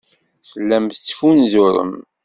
Tellam tettfunzurem.